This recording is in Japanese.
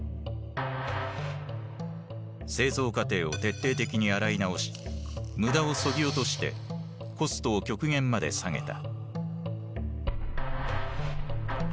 製造過程を徹底的に洗い直し無駄をそぎ落としてコストを極限まで下げた。